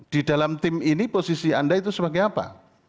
di dalam tim ini posisi anda itu sebagai apa